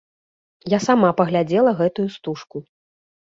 Я сама паглядзела гэтую стужку.